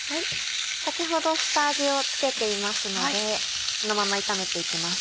先ほど下味を付けていますのでそのまま炒めていきます。